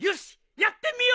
やってみよう！